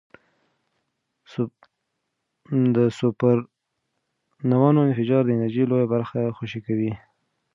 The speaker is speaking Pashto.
د سوپرنووا انفجار د انرژۍ لویه برخه خوشې کوي.